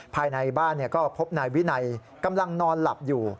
ภายในบ้านก็พบนายวินัยกำลังนอนหลับอยู่